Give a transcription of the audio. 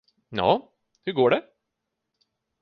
Nå, hur går det?